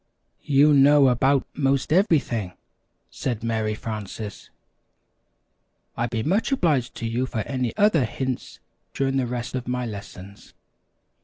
"You know about 'most everything!" said Mary Frances. "I'd be much obliged to you for any other hints during the rest of my lessons."